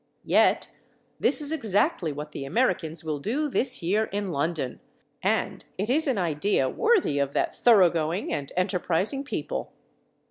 Yet this is exactly what the Americans will do this year in London, and it is an idea worthy of that thorough going and enterprising people.